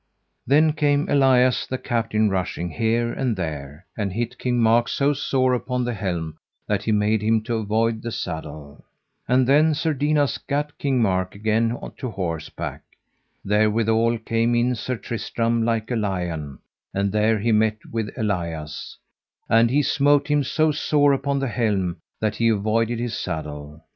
Then came Elias the captain rushing here and there, and hit King Mark so sore upon the helm that he made him to avoid the saddle. And then Sir Dinas gat King Mark again to horseback. Therewithal came in Sir Tristram like a lion, and there he met with Elias, and he smote him so sore upon the helm that he avoided his saddle.